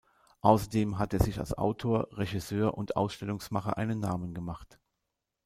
Außerdem hat er sich als Autor, Regisseur und Ausstellungsmacher einen Namen gemacht.